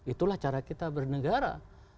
itulah cara kita bernegara